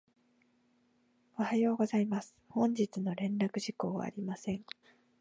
おはようございます。本日の連絡事項はありません。